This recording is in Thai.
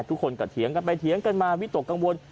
ทุกคนก็เถียงกันไปเถียงกันมาวิตกกังวล